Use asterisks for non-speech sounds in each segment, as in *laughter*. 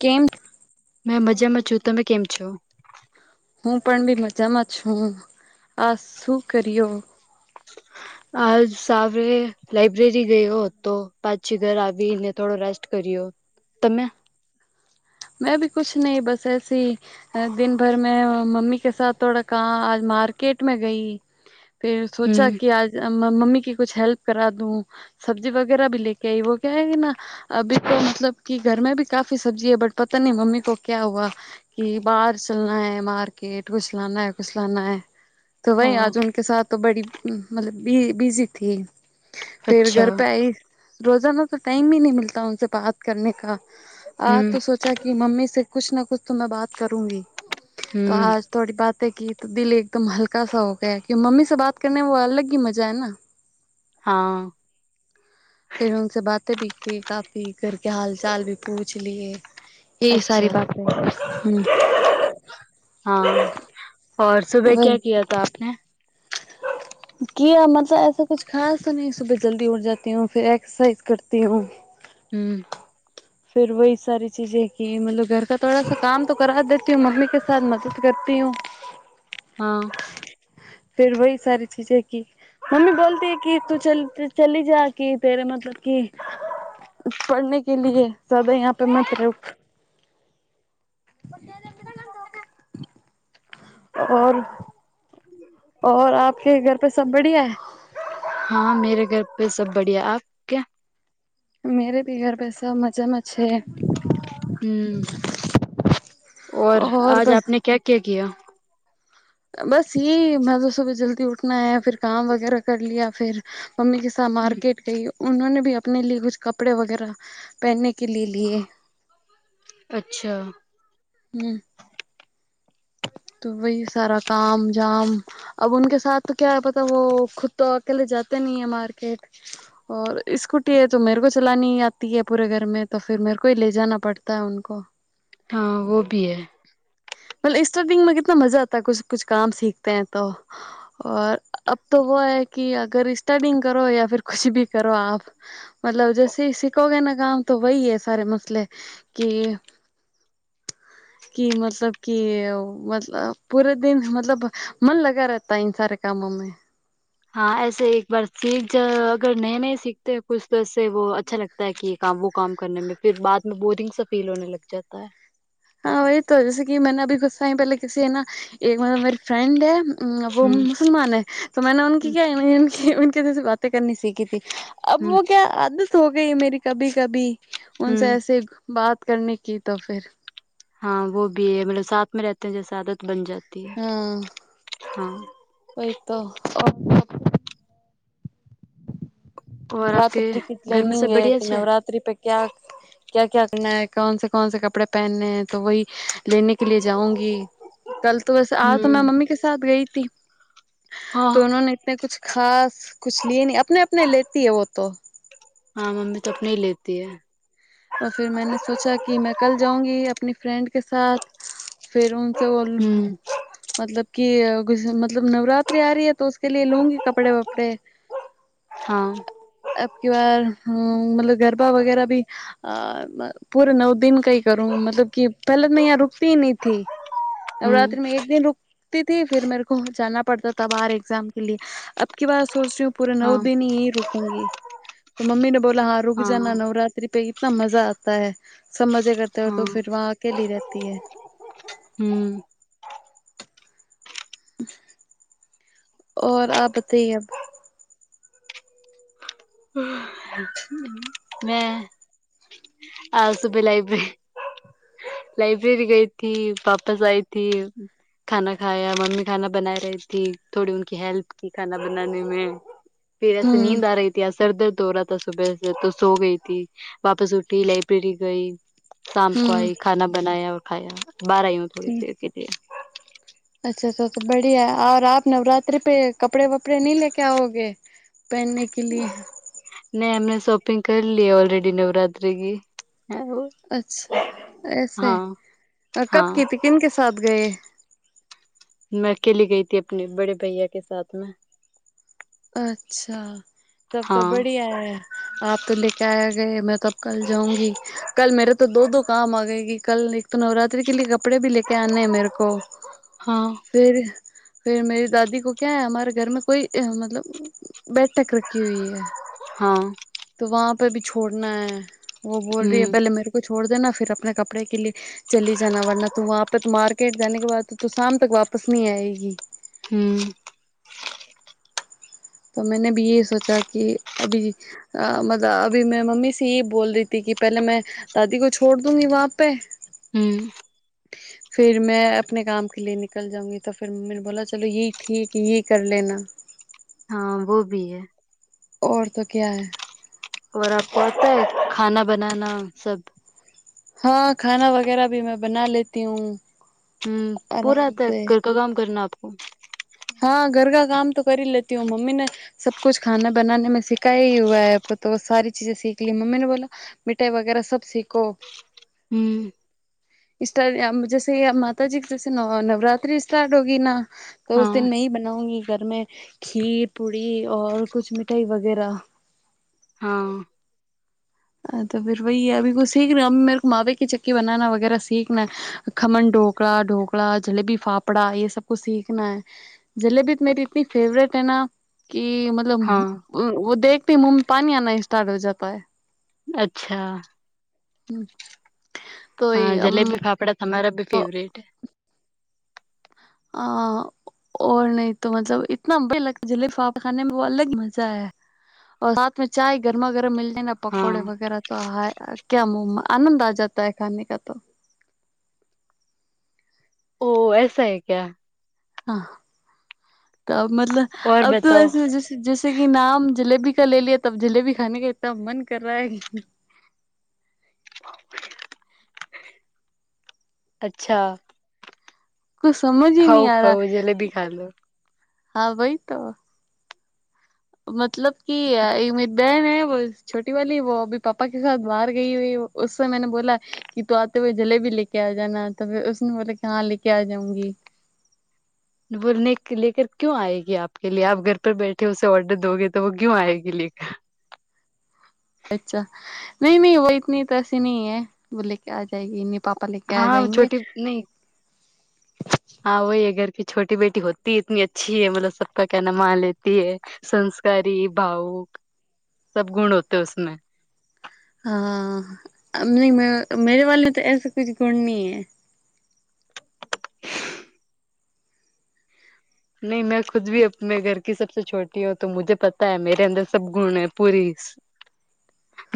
કેમ મેં મજામાં છું તમે કેમ છો? હું પણ બી મજામાં છું આ શું કર્યો? આ સવારે લાઈબ્રેરી ગયો હતો પાછી ઘર આવીને થોડો રેસ્ટ કર્યો. તમે મેં ભી કુછ નહી બસ એશેહીં. દિન ભર મેં મમ્મી કે સાથ થોડા કા આજ માર્કેટ મે ગઈ. પે હમ સોચા કે આજ મમ્મી કી કુછ હેલ્પ કરા દું. સબ્જી વગેરા ભી લેકે આઈ વો ક્યા હેના કે અભી તો મતલબ કે ઘરમે ભી કાફી સબ્જી હૈ બટ પતા નહી મમ્મી કો ક્યા હુવા. કે બહાર ચલના હૈ માર્કેટ કુછ લના હે કુછ લના હે. તો વહી હા આજકે સાથ તો બડી મતલબ બ બિઝી થી. ફીર ઘર અચ્છા પે આઈ રોજાના તો ટાઈમ હી નહીં મીલતા ઉનશે બાત કરને કા. આજ હમ તો સોચા કે મમ્મી સે કુછ ના કુછ તો મે બાત કરુંંગી તો હમ આજ થોડી બાત કી તો દિલ એકદમ હલકા સા હો ગયા કે મમ્મી સે બાત કરને અલગ હી મજા હેના. *inaudible* હા. *inaudible* ફીર ઉનસે બાતે ભી કી કાફી ઘર કે હાલ ચાલ ભી પુછ લીયે. અચ્છા *unintelligible* હમ. હા ઓર સુભે કયા કીયા થા આપને? કીયા એસા કુછ ખાસ નહીં સુભે જલ્દી ઉઠ જાતી હું *unintelligible* કરતી હું *inaudible* હમ *inaudible* *unintelligible* હા *unintelligible* મમ્મી બોલતી હૈ કિ તું ચલ તુ ચલી જાતિ હૈ કિ *unintelligible* *unintelligible* ઓર ઓર આપકે ઘર પે સબ બધિયા હૈ? હા મેરે ઘર પે સબ બઢિયા આપ મેરે ભી ઘર પે સબ મજે મેછે હમ ઓર આજ આપને ક્યાં ક્યાં કિયા? બસ યેહી સુબહ્ જલ્દી ઉઠના હૈ ફિર કામ વગેરા કર લીયા ફિર મમ્મી કે સાથ થા માર્કેટ ગઈ ઊંહો ને ભી આપને લિયે કુછ કપડે વગેરા પેહને કે લિયે લિયે હૈં અચ્છા હમ તો વહી સારા કામ જામ અબ ઉનકે સાથ ક્યા હૈ પતા હૈ વો અકેલે તો જાતે નહી હૈ માર્કેટ. ઓર ઇસ્કુટી હૈ તો મેરે કો હો ચલાની આતી હૈ પુરે ઘર મે તો ફિર મેરે કો હિ લે જાના પડતા હૈ ઊંકો. હા વો ભી હે. બોલ ઇસ્ટતિંગ મે કિતના મજા આતા હૈ જબ કામ સિખતે હે તો. ઓર અબ તો વો હૈ કિ ઇસ્ટેન્તિંગ કરો યા કુછ ભી કરો આપ મતલબ જેસે હિ સિખોંગે ના સારે કામ તો વહી હૈ મસલે હૈ કી કી મત *unintelligible* મતલબ મન લગા રહેતા હૈ ઈન સારે કામો મે. હા એસે એક બાર શીખ જાઓ અગર નયે નયે સિખ તે હો તો કુછ વો તો અછ લાગતા હૈ. *unintelligible* *unintelligible* *unintelligible* *unintelligible* બાત કરને કી તો ફિર. હા વો ભી હૈ સાથ મે રેહતે હૈ તો જેશે આદત બન જાતિ હૈ. હ્ વહી તો ઓર *unintelligible* *unintelligible* *unintelligible* ખાસ *unintelligible* હા મમ્મી તો આપને હિ લેતી હૈ *unintelligible* *unintelligible* મતલબ *unintelligible* હા *unintelligible* *unintelligible* નવરાત્રી મે એક બેન દીન રુક તીથી ફિર મેરે કો જાના પડતા થા બહાર એક્ઝામ કે લીયે અબ કી બાર સોચ રહી હું પૂરા નવ દિન રુકુગી તો મમ્મીને બોલા હા રુક જાન નવરાત્રિ પે કિતના મજા આતા હે સબ મજે કરતે હે તો ફિર વહા અકેલી રહેતી હે. હમમ ઔર આ બધીવએમ હ. મેં હે આજ સુબે લાઈબ્રે લાઈબ્રેરી ગઈ થી વાપસ આઈ થી. ખાના ખાયા મમ્મી ખાના બના રહી થી થોડી ઉનકી હેલ્પ કી ખાના બનાને મે. *inaudible* ફિર એસે નીંદ આ રહી થી આ સર દર્દ હો રહા થા સુબહ તો સો ગઈ થી વાપસ ઉઠી ફિર લાઇબ્રેરી ગઈ શામ કો આઈ ખાના બનાયા ઓર ખાયા બહાર આઈ હું થોડી દેર કે લીયે. એ અચ્છા તો તો બઢિયા ઓર અભ નવરાત્રી પે કપડે વપડે નહી લેકે આ ઓગે પહેને એ મેને શોપિંગ કરી લી એ ઓલરેડી નવરાત્રી -હે ઓ અચ્છા- એસા હે અ કબ કી થી કિન કે સાથ ગયે. મે અકેલી ગઈ થી આપને બડે ભૈયા કે સાથ મેં અચ્છા -તબ તો બઢિયા હૈ. આપ તો લેકે આ ગયે મેં તો અભ કલ જાઉંગી કલ મેરે તો દો દો કામ આ ગઈ ગી કલ તો નવરાત્રી કે લીયે કપડે ભી લેકે આને હૈ મેરે કો હા ફિર -ફિર મેરી દાદી કો ક્યા હૈ હમારે ઘર મે કોઈ અ મતલબ બેઠક રખી હુઈ હૈ હા તો વહા પે ભી છોડ ના હૈ વો બોલ રહી હે પહેલે મેરે કો છોડ દેના ફિર આપણે કપડે કે લીયે ચલી જાન વરના તું વહા તક માારકેટ જને કે બાદ શામ તક વાપસ નહીં આયે ગી. હમ તો મેને બી યે સોચા કિ અભી‌ અ માત અ અભી મેં મમ્મી સે યે બોલ રહી થી કે પહેલે મેં દાદી કો છોડ દુંગી વહા આપે. હમ. *unintelligible* ફિર મેં આપને કામ કે લીયે નિકલ જાઉંગી તો ફિર મમ્મીને બોલા ચલો યે ઠીક ‌યે કર લેના. હા -વો ભી હૈ ઔર તો ક્યા હૈ. ઔર આપકો આતા હે ખાના બનાના સબ હા ખાના વગેરા ભી મે બના લેતી હું હમ પૂરા આતા હૈ ઘર કા કામ કરના આપકો. હા ઘર કા કામ તો ક રી લેતી હું મમ્મી ને સબ કુછ ખાના બનાને મે શિખાયા હુઆ હૈ તો સારી ચીજે શીખ લી મમ્મીને બોલા. મીઠાઈ વગેરે સબ શીખો. હમ. ઈસ ર્ટ જે સે અ માતાજી જે સે નવ નવરાત્રી સ્ટાર્ટ હોગી ના તો તો મે હીં બનાઉ હોગી ઘરમે ખીર પૂડી ઓર કુછ મિઠાઈ વગેરા. હા હા તો ફિર વહી હે અભી કોઈ શીખ રહી મેરે કો માાવે કી ચક્કી બનાના વગેરે શીખના હૈ. ખમન ઢોકળા ઢોકળા જલેબી ફાફડા એ સબક સીખના હ જલેબી મેરી તની ફેવરેટ હૈ કે દેખતી મુહ પણી આના સ્ટાર્ટ હો જતા હ અચ્છા હમ. હા જલેબી ફાફડા તમારા ભી ફેવરેટ આ ઓર નહીં તો મતલબ ઈતના બે જલે ખાને અલગ મજા હૈ. સાથમે ચાય ગરમા ગરમ મ હે ના પકોડે વગેરા તો હાય હા ક્યા મો આનંદ આ જતા હૈ ખાને કા તો. ઓ એસાા હૈ ક્યા હા તો મતલબ અબ તો જ જૈસે કે નામ જલેબી કા લે લીયા તબ જલેબી ખાને કે ઇતના મન કર રહા હૈ હ *unintelligible* અચ્છા કોઈ સમજ હ નહી આ રહા હા ભાઈ તો મતલબ કે એક મરી બહેન હૈ બ છોટી વાલી વો અભી પાપા કે સાથ બહાર ગઈ હોય ઓસે મેને બોલા કે તું આતે હોય જલેબી લેકે આ જના તને બોલા કે હા લેકે આ જાઉંગી બોરને કો લેકર ક્યું આયગી આપ કે લીયે આપ ઘર પર બેઠે ઉસે ઓર્ડર દોગે તો ક્યુું આયગી લેક અચ્છા નહી નહીં વો એતની તો એસી નહિ હે વો લેકર આ જાયગી ની પાપ પા લેકે જાયંગે હા વહી ઘર કે છોટી બેટી હોતી એતની અચ્છી હૈ મતલબ સબ ક કેના માન લેતી હૈ સંસ્કારી ભાવુક સબ ગુણ હોતે ઉસમે હા હા અમની મે મેરે વાલી તો એસ કુછ ગુણ નહી એ. નહી મેં ખુદ ભી આપને ઘરની સબસે છોટી હું તો મુજે પતા હૈ મેરે અંદર સબ ગુણ પૂરી *unintelligible*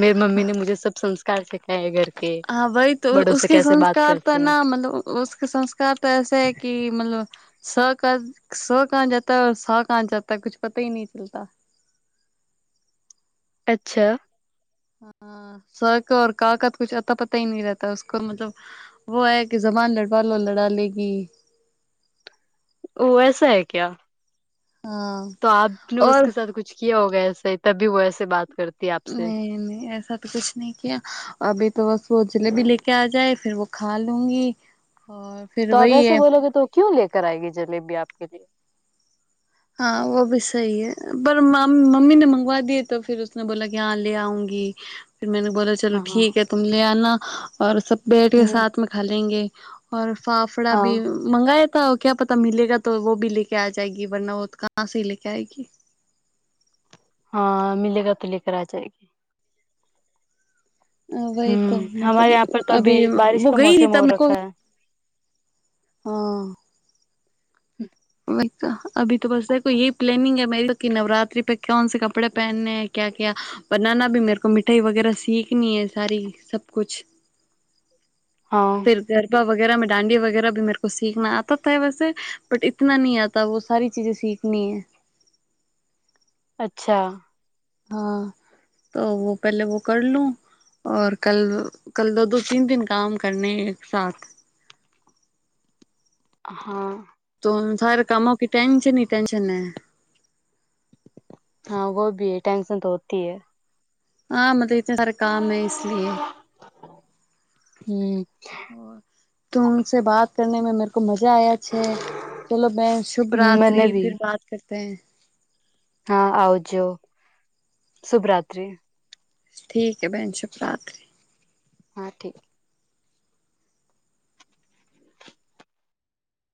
મેરી મમ્મીને મુજે સબ સંસ્કાર સીખાયા ઘર હા વહી તો ઉસ્કે સંસ્કાર તો ના મતલબ કે સંસ્કાર તો એસે હૈ કે મતલબ સ કા સો કહા જાતા સો કા જાતા હે કુછ પતા નહીં ચલતા અચ્છા હા સવર કા ઓર કાકા તો કુછ અતા પતા હી નહી રહેતા ઉસકો મતલબ વહ કે જબાન લડવા લો લડા લેગી ઓ વૈસા હૈ ક્યા હમ્મ તો આપને ઉસકે સાથ કુછ કિયા હોગા એસ તબી વો એસે બાત કરતા નહી એસ કછ નહી કયા અભી તો બસ જલેબી લેકે આજાય ફીર વ ખા લુંગી હો તો આપ એસે બોલોગે તો ક્યું લે કર આયગી જલેબી આપકે લીયે હા વહ બી સહી હ પર મમ્મીને મંગવા દીએ તો ફીર ને બોલા કે હા લે આઉંગી ફિર મેને બોલા ચલો ઠીક હે તુમ લે આના ઓર સબ બેઠ સાથ મે ખા લેંગે ઓર ફાફડા ભી મંગાયા થા ક્યા પતા મિેગા તો વો ભી લેકે આ જાયગી વરના કહા સે લેકર આયેગી હા મિલેગ તો લે કર આજા હ વહી તો મતલબ અભી વ ગઈ ન તમ હા અભી તો બસખો એ પ્લનિંગ હૈ મેરી નવરાત્રી પે કોણ સ કપડે પહેનને હૈ ક્યા ક્યા બનાના ભી મેરે કો મીઠાઈ વગેરા સીખની હૈ સારી સબકુછ ફિર ગરબા વગેરા મેં ડાંડિયા વગેરા ભી મેરે કો સીખના આતા હૈ વેસે બટ ઈતના નહીં આતા વ સારી ચીજ સીખ નઈ હૈ અચ્છા હા તો પહેલે વો કર લું. ઔર કલ કલ દો તીન દિન કામ કરને એકસાથ હા. તો થારે કામો કે ટેન્શન ની ટેન્શન હે. હા વો ભી હે ટેન્શન તો હોતી હે. હા મતલબ ઇતે સારે કામ ઇસ. લિયે. તુમસે બાત કરને મે મેરકો મજા આયા છે ચલો બેન. શુભ રાત્રિ ફીર બાત કરતેે હે. હા આવજો શુભરાત્રી. ઠીક હે બેન શુભરાત્રી. હા ઠીક.